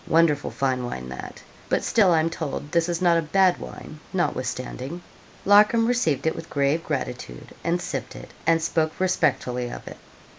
Wonderful fine wine that! but still I'm told this is not a bad wine notwithstanding.' Larcom received it with grave gratitude, and sipped it, and spoke respectfully of it.